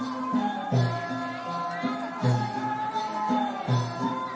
การทีลงเพลงสะดวกเพื่อความชุมภูมิของชาวไทย